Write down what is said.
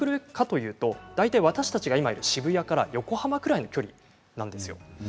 大体、私たちがいる渋谷から横浜くらいの距離なんですよ。